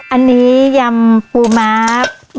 อันนี้ยำปูม้า